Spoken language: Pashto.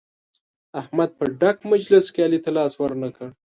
احمد په ډک مجلس کې علي ته لاس ور نه کړ.